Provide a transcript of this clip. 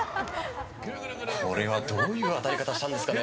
これはどういう当たり方をしたんですかね。